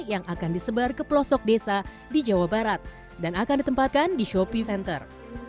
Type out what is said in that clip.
yang akan disebar ke pelosok desa di jawa barat dan akan ditempatkan di shopee center